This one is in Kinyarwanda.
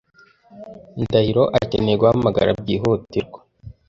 Ndahiro akeneye guhamagara byihutirwa.